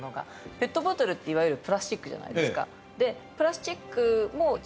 ペットボトルっていわゆるプラスチックじゃないですか。